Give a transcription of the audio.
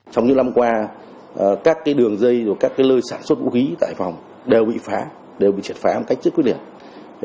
trong những năm qua các đường dây các lơi sản xuất vũ khí tại phòng đều bị phá đều bị triệt phá một cách rất quyết liệt